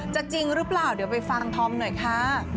จริงหรือเปล่าเดี๋ยวไปฟังธอมหน่อยค่ะ